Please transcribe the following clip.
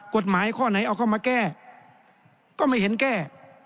กฎหมายข้อไหนเอาเข้ามาแก้ก็ไม่เห็นแก้